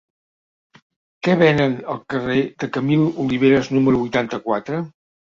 Què venen al carrer de Camil Oliveras número vuitanta-quatre?